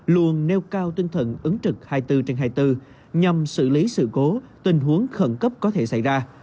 luôn nêu cao tinh thần ứng trực hai mươi bốn trên hai mươi bốn nhằm xử lý sự cố tình huống khẩn cấp có thể xảy ra